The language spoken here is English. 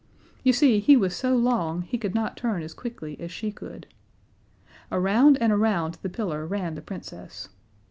You see, he was so long he could not turn as quickly as she could. Around and around the pillar ran the Princess.